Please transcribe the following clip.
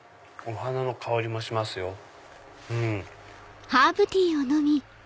お花の香りもしますよ。